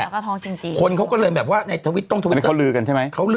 ท้องจริงจริงคนเขาก็เลยแบบว่าในท้องท้องท้องไม่เขาลือกันใช่ไหมเขา